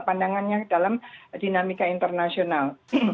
pandangannya dalam dinamika internasional